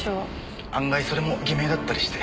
案外それも偽名だったりして。